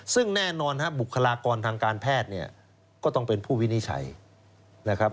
ซึ่งแน่นอนครับบุคลากรทางการแพทย์เนี่ยก็ต้องเป็นผู้วินิจฉัยนะครับ